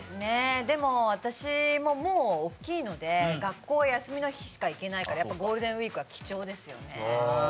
私も、もう大きいので学校お休みの日しか行けないのでやっぱりゴールデンウイークは貴重ですよね。